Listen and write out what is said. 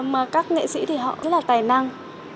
mà các nghệ sĩ thì họ rất là tài năng